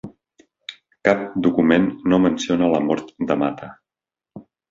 Cap document no menciona la mort de Mata.